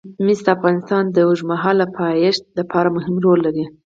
مس د افغانستان د اوږدمهاله پایښت لپاره مهم رول لري.